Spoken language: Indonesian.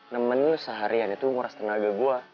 nemenin lo seharian itu nguras tenaga gua